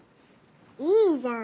いいじゃん。